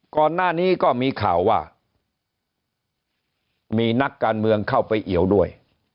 ก่อนหน้านี้ก็มีข่าวว่ามีนักการเมืองเข้าไปเอี่ยวด้วย